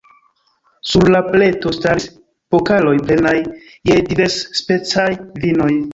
Sur la pleto staris pokaloj plenaj je diversspecaj vinoj.